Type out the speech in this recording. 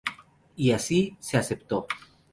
Y así se aceptó.